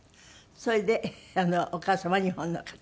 それでお母様は日本の方。